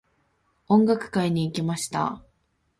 音楽会に行きました。